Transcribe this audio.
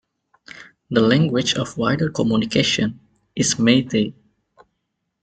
The language of wider communication is Meithei.